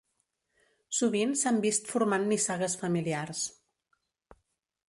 Sovint s'han vist formant nissagues familiars.